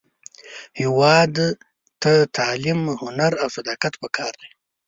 هیواد ته تعلیم، هنر، او صداقت پکار دی